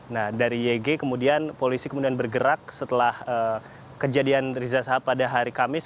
nah dari yg kemudian polisi kemudian bergerak setelah kejadian riza sahab pada hari kamis